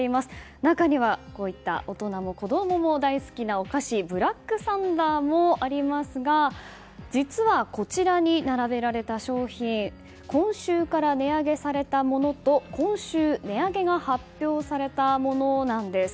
中にはこういった大人も子供も大好きなお菓子ブラックサンダーもありますが実は、こちらに並べられた商品今週から値上げされたものと今週、値上げが発表されたものなんです。